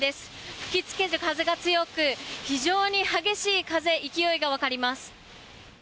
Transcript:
吹きつける風が強く非常に激しい風勢いがわかります。